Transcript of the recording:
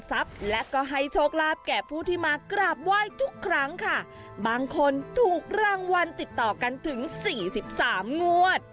ที่มากราบวายทุกครั้งบางคนถูกรางวัลติดต่อกันถึงสี่สิบสามงวด